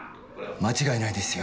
間違いないですよ